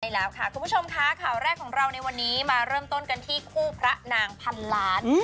ค่ะคุณผู้ชมค่ะข่าวแรกของเราในวันนี้มาเริ่มต้นกันที่คู่พระนางพันล้าน